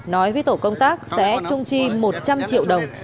nói với tổ công tác sẽ trung chi một trăm linh triệu đồng